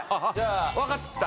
わかった。